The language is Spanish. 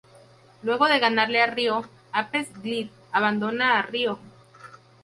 Luego de ganarle a Ryo, Apex Glide abandona a Ryo.